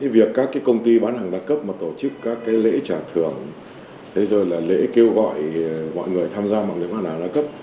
việc các công ty bán hàng đa cấp mà tổ chức các lễ trả thưởng lễ kêu gọi mọi người tham gia hoạt động bán hàng đa cấp